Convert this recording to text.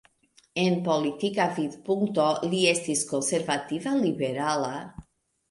En politika vidpunkto li estis konservativa-liberala.